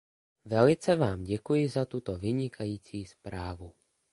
Velice vám děkuji za tuto vynikající zprávu.